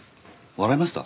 笑いました？